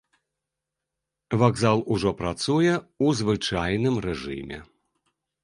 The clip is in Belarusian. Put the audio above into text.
Вакзал ужо працуе ў звычайным рэжыме.